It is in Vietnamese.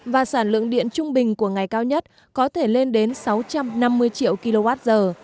và sản lượng điện trung bình của ngày cao nhất có thể lên đến sáu trăm năm mươi triệu kwh